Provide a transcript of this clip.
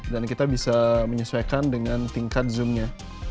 dan kita bisa menyesuaikan dengan tingkat zoom nya